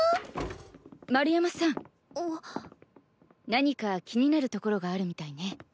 何か気になるところがあるみたいね。